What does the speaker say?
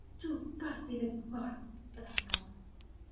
"To God be the glory!" said Alcala.